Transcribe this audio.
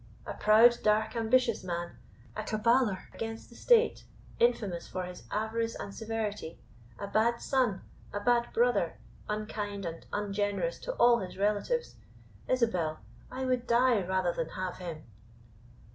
A proud, dark, ambitious man; a caballer against the state; infamous for his avarice and severity; a bad son, a bad brother, unkind and ungenerous to all his relatives Isabel, I would die rather than have him."